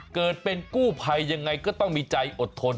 เกิดเป็นกู้ภัยยังไงก็ต้องมีใจอดทน